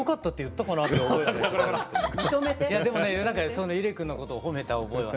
そうね伊礼君のことを褒めた覚えは。